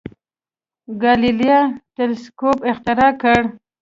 ګالیله تلسکوپ اختراع کړ.